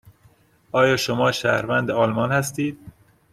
آیا شما شهروند آلمان هستید؟